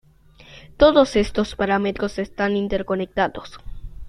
Todos estos parámetros están interconectados.